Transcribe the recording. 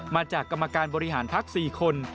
มาจากกรรมการบริหารพัก๔คน